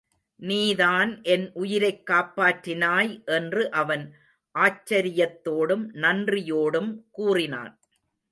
நீதான் என் உயிரைக் காப்பாற்றினாய் என்று அவன் ஆச்சரியத்தோடும் நன்றியோடும் கூறினான்.